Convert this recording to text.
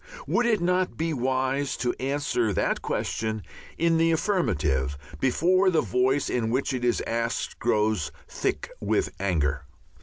Would it not be wise to answer that question in the affirmative before the voice in which it is asked grows thick with anger?